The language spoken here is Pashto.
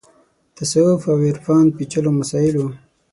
د تصوف او عرفان پېچلو مسایلو